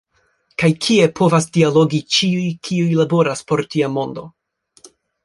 Kaj kie povas dialogi ĉiuj, kiuj laboras por tia mondo.